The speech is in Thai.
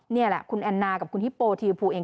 นี่แหละคุณแอนนากับคุณฮิปโปธีพูเอง